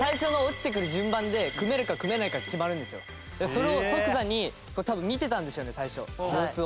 それを即座に多分見てたんでしょうね最初様子を。